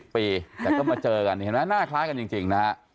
๔๐ปีแต่ก็มาเจอกันหน้าคล้ายกันจริง